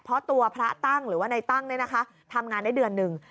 เพราะตัวพระตั้งหรือว่าในตั้งเนี่ยนะคะทำงานได้เดือนหนึ่ง